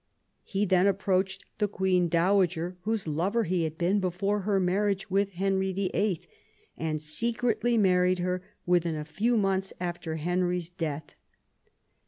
He then approached the Queen Dowager, whose lover he had been before her marriage with Henry VHL, and secretly married her within a few months after Henry's death.